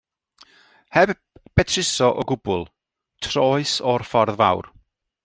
Heb betruso o gwbl, troes o'r ffordd fawr.